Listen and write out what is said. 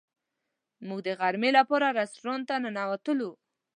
موږ د غرمې لپاره رسټورانټ ته ننوتلو.